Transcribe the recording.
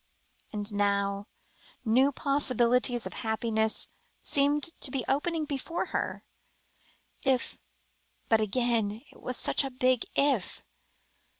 And now, new possibilities of happiness seemed to be opening before her, if but again it was such a big "if."